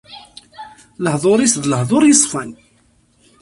Lehdur-is d lehdur yeṣfan.